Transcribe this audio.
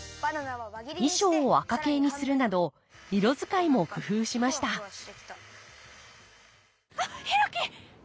衣装を赤系にするなど色使いも工夫しました・あっヒロキ！